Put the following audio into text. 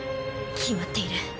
決まっている。